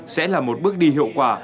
sẽ là một bước đi hiệu quả